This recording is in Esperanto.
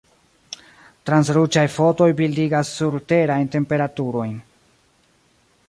Transruĝaj fotoj bildigas surterajn temperaturojn.